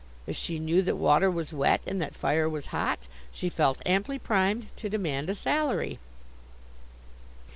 If she knew that water was wet and that fire was hot, she felt amply primed to demand a salary.